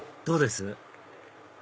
どうです？